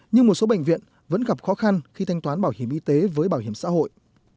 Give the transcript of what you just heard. nhưng một số bệnh viện vẫn gặp khó khăn khi thanh toán bảo hiểm y tế với bảo hiểm xã hội